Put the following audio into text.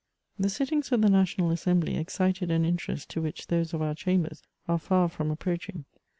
The sittings of the National Assembly excited an interest to which those of our Chambers are far from approaching.